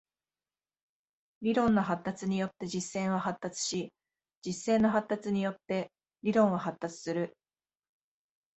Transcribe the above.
理論の発達によって実践は発達し、実践の発達によって理論は発達する。